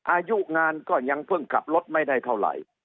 อายุงานก็ยังเพิ่งขับรถไม่ได้เท่าไหร่